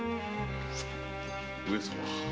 上様